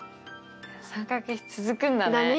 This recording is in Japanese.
三角比続くんだね。